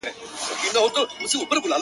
ګرانه دوسته! ځو جنت ته دریم نه سي ځايېدلای٫